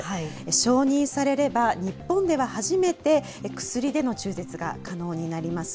承認されれば、日本では初めて、薬での中絶が可能になります。